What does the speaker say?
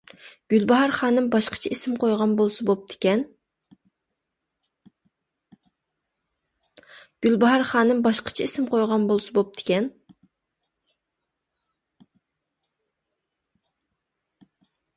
گۈلباھار خانىم باشقىچە ئىسىم قويغان بولسا بوپتىكەن.